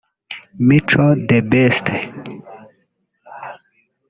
Mico The Best